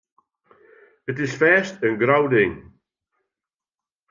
It is fêst in grou ding.